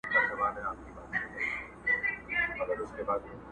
ښایسته ملکه سمه لېونۍ سوه!.